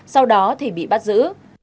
sau đó thì bị bắt giữ